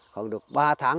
khoảng được ba tháng